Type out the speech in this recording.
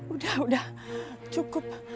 udah udah cukup